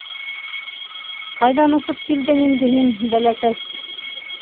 — Ҡайҙан осоп килдең инде һин, бәләкәс?